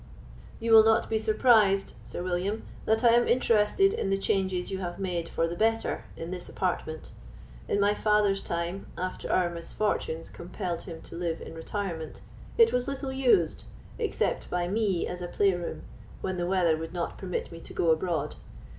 "You will not be surprised, Sir William, that I am interested in the changes you have made for the better in this apartment. In my father's time, after our misfortunes compelled him to live in retirement, it was little used, except by me as a play room, when the weather would not permit me to go abroad.